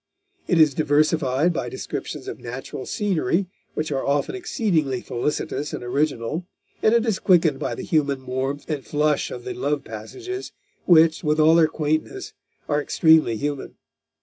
It is diversified by descriptions of natural scenery, which are often exceedingly felicitous and original, and it is quickened by the human warmth and flush of the love passages, which, with all their quaintness, are extremely human.